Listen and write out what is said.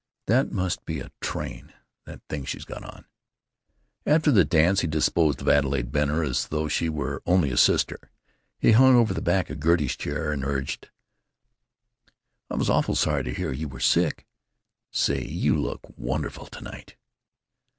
"That must be a train, that thing she's got on." After the dance he disposed of Adelaide Benner as though she were only a sister. He hung over the back of Gertie's chair and urged: "I was awful sorry to hear you were sick.... Say, you look wonderful, to night."